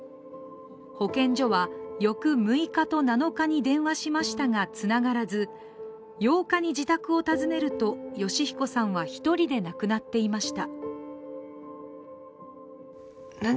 保健所は翌６日と７日に電話しましたがつながらず、８日に自宅を訪ねると善彦さんは１人で亡くなっていました。